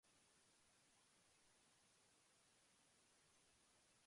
Ereditò il titolo suo fratello Charles.